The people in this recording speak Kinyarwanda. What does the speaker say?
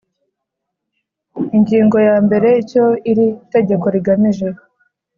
Ingingo ya mbere Icyo iri tegeko rigamije